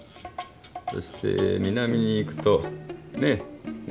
そして南に行くとねえグアム。